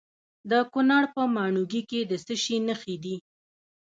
د کونړ په ماڼوګي کې د څه شي نښې دي؟